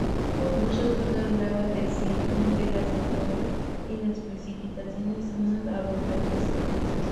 Muchos cursos de agua descienden de las montañas, y las precipitaciones son más abundantes.